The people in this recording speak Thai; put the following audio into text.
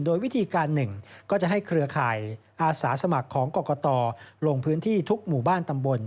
โดยวิธีการหนึ่งก็จะให้เครือข่ายอาสาสมัครของกรกตลงพื้นที่ทุกหมู่บ้านตำบล